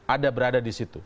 ada berada di situ